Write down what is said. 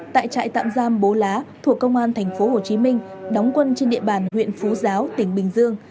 tại trại tạm giam bố lá thuộc công an tp hcm đóng quân trên địa bàn huyện phú giáo tỉnh bình dương